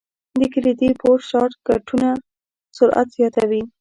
د کلیدي بورډ شارټ کټونه سرعت زیاتوي.